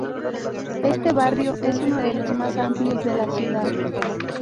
Este barrio es uno de los más amplios de la ciudad.